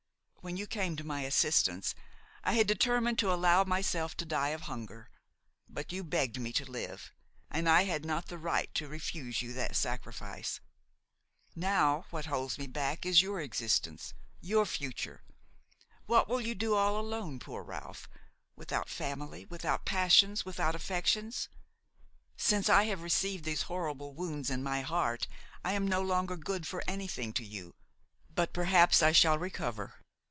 When you came to my assistance I had determined to allow myself to die of hunger; but you begged me to live, and I had not the right to refuse you that sacrifice. Now, what holds me back is your existence, your future. What will you do all alone, poor Ralph, without family, without passions, without affections? Since I have received these horrible wounds in my heart I am no longer good for anything to you; but perhaps I shall recover.